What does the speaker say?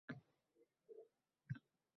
gullar o‘sardi.